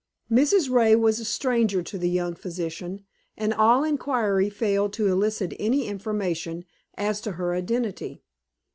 Mrs. Ray was a stranger to the young physician, and all inquiry failed to elicit any information as to her identity.